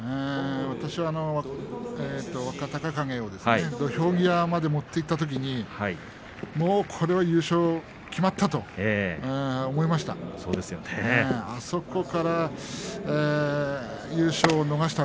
私は若隆景を土俵際まで持っていったときにもうこれは優勝が決まったと思いました。